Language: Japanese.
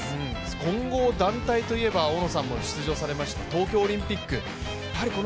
混合団体といえば大野さんも出場されました東京オリンピック。